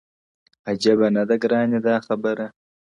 غجيبه نه ده گراني دا خبره-